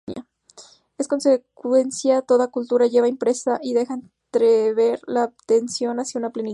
En consecuencia, toda cultura lleva impresa y deja entrever la tensión hacia una plenitud.